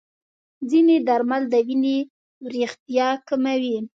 ځینې درمل د وینې وریښتیا کموي.